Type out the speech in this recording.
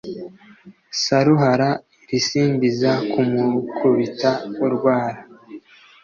Saruhara irisimbiza kumukubita urwara